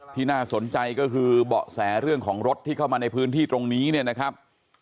ที่น่าสนใจก็คือเบาะแสเรื่องของรถที่เข้ามาในพื้นที่ตรงนี้เนี่ยนะครับ